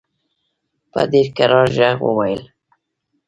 په ډېر کرار ږغ وویل.